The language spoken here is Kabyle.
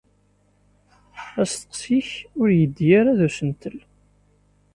Asteqsi-k ur yeddi ara d usentel.